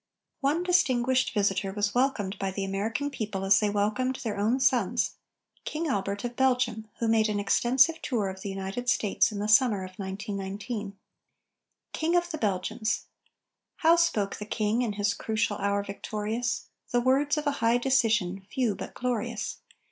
One distinguished visitor was welcomed by the American people as they welcomed their own sons King Albert, of Belgium, who made an extensive tour of the United States in the summer of 1919. KING OF THE BELGIANS How spoke the King, in his crucial hour victorious? The words of a high decision, few, but glorious.